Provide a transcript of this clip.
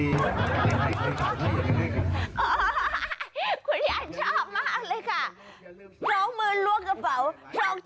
คุณย่านชอบมากเลยค่ะ